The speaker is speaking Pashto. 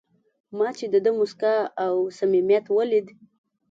ما چې د ده موسکا او صمیمیت ولید.